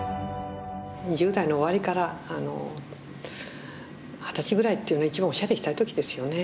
１０代の終わりから二十歳ぐらいっていうのは一番おしゃれしたい時ですよね。